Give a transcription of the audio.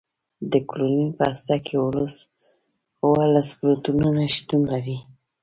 د کلورین په هسته کې اوولس پروتونونه شتون لري.